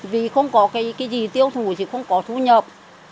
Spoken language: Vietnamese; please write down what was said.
vì không có cái gì tiêu thụ thì không có thu nhập